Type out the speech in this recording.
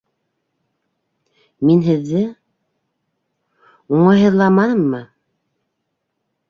Мин һеҙҙе... уңайһыҙламаныммы?